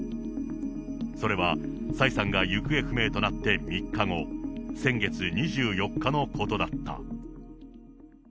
それは、蔡さんが行方不明となった３日後、先月２４日のことだった。